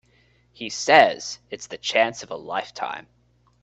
He says it's the chance of a lifetime.